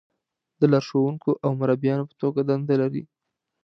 د لارښونکو او مربیانو په توګه دنده لري.